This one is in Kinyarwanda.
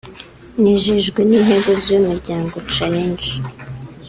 Nejejwe n’intego z’uyu muryango; Challenge